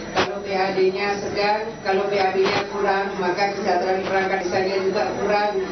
kalau bad nya sedang kalau bad nya kurang maka kejaderaan perangkat desanya juga kurang